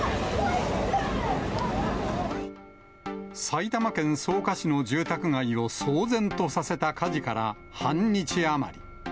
埼玉県草加市の住宅街を騒然とさせた火事から半日余り。